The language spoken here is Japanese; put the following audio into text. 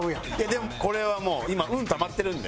でもこれはもう今。